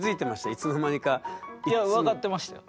いつの間にか。いや分かってましたよ。